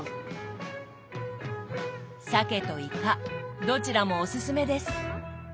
サケとイカどちらもおすすめです。